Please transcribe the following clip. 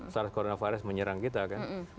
sars coronavirus menyerang kita kan